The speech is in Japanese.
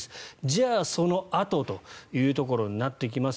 じゃあ、そのあとというところになってきます。